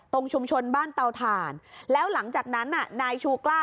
ตรงชุมชนบ้านเตาถ่านแล้วหลังจากนั้นน่ะนายชูกล้า